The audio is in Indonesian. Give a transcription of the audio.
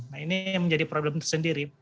nah ini yang menjadi problem itu sendiri